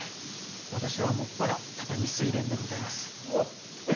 私は専ら畳水練でございます。